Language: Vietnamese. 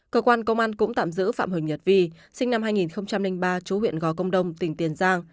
cơ quan công an cũng tạm giữ phạm huỳnh nhật vi sinh năm hai nghìn ba chú huyện gò công đông tỉnh tiền giang